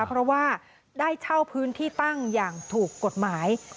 เพราะว่าได้เช่าพื้นที่ตั้งอย่างถูกกฎหมาย